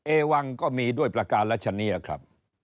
เอวังก็มีด้วยประการรัชเนียครับ